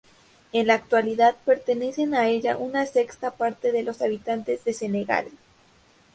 En la actualidad, pertenecen a ella una sexta parte de los habitantes de Senegal.